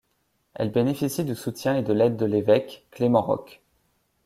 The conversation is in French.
Elle bénéficie du soutien et de l'aide de l'évêque, Clément Roques.